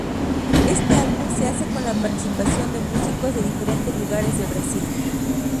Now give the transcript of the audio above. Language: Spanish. Este álbum se hace con la participación de músicos de diferentes lugares de Brasil.